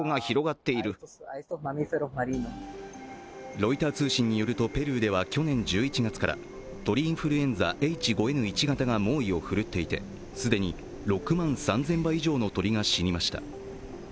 ロイター通信によると、ペルーでは去年１１月から鳥インフルエンザＨ５Ｎ１型が猛威を振るっていて、既に６万３０００羽以上の鳥が死にました。